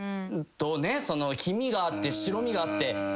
黄身があって白身があって。